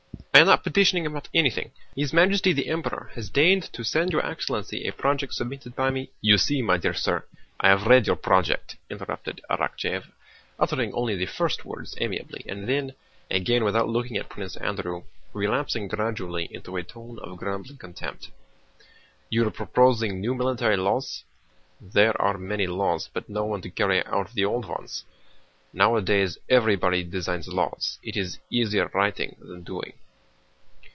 "I am not petitioning about anything. His Majesty the Emperor has deigned to send your excellency a project submitted by me..." "You see, my dear sir, I have read your project," interrupted Arakchéev, uttering only the first words amiably and then—again without looking at Prince Andrew—relapsing gradually into a tone of grumbling contempt. "You are proposing new military laws? There are many laws but no one to carry out the old ones. Nowadays everybody designs laws, it is easier writing than doing."